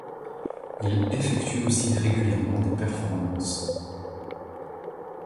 Il effectue aussi régulièrement des performances.